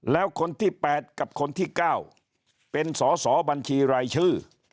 แล้วคนที่๘กับคนที่๙เป็นสอสอบัญชีรายชื่อ